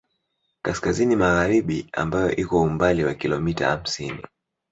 Kaskazini magharibi ambayo iko umbali wa kilomita hamsini